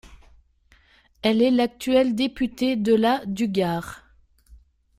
Elle est l'actuelle députée de la du Gard.